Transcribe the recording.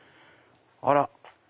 あら！